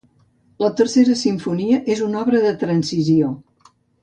La Tercera Simfonia és una obra de transició.